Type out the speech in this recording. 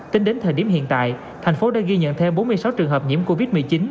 tính đến thời điểm hiện tại thành phố đã ghi nhận thêm bốn mươi sáu trường hợp nhiễm covid một mươi chín